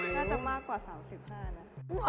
น่าจะมากกว่า๓๕นะ